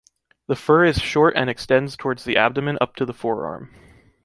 The fur is short and extends towards the abdomen up to the forearm.